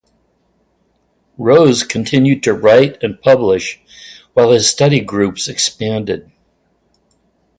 Rose continued to write and publish while his study groups expanded.